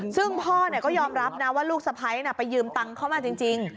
ซึ่งพ่อก็ยอมรับนะว่าลูกสะพ้ายไปยืมตังค์เข้ามาจริง